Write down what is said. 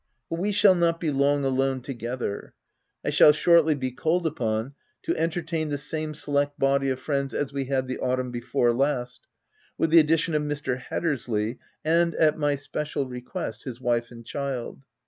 But we shall not be long alone together. I shall shortly be called upon to entertain the same select body of friends as we had the au tumn before last, with the addition of Mr. Hat tersley and, at my special request, his wife and child.